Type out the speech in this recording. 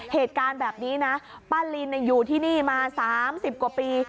เหตุการณ์แบบนี้นะป้าลินอยู่ที่นี่มา๓๐กว่าปี